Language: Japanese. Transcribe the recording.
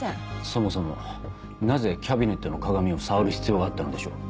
そもそもなぜキャビネットの鏡を触る必要があったのでしょう？